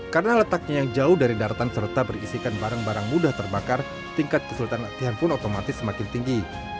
karena letaknya yang jauh dari daratan serta berisikan barang barang mudah terbakar tingkat kesulitan latihan pun otomatis semakin tinggi